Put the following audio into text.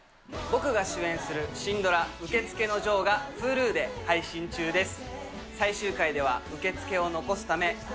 僕が主演する新ドラ、受付のジョーがＨｕｌｕで配信中です。